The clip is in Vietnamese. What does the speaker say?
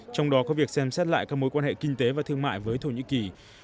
trong đó có việc xem xét lại các mối quan hệ kinh tế và thương mại với thổ nhĩ kỳ